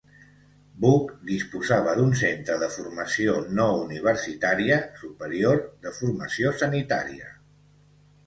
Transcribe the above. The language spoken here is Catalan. Buc disposava d'un centre de formació no universitària superior de formació sanitària.